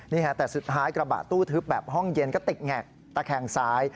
นี่ฮะแต่สุดท้ายกระบะตู้ทึบแบบห้องเย็นก็ติดแงกตะแคงซ้าย